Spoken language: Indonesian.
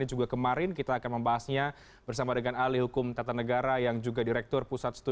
untuk mempersiapkan kemasral dagang muslim